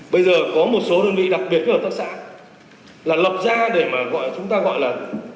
bây giờ có một số đơn vị đặc biệt các hợp tác xã là lập ra để mà gọi chúng ta gọi là